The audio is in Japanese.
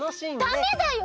ダメだよ！